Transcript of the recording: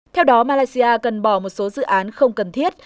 theo đó malaysia cần bỏ một số dự án không cần thiết